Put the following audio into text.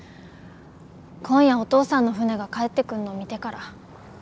今夜お父さんの船が帰ってくんの見てから。